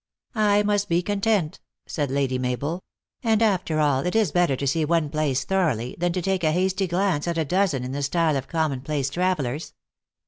"I must be content," said Lady Mabel. "And, after all, it is better to see one place thoroughly, than to take a hasty glance at a dozen in the style of com mon place travelers."